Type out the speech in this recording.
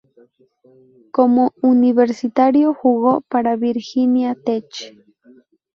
Como universitario, jugó para Virginia Tech.